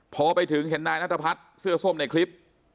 พอไปถึงเห็นนายนัทพัฒน์เสื้อส้มในคลิป